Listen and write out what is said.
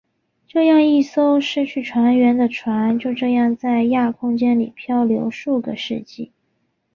这样一艘失去船员的船就这样在亚空间里飘流数个世纪。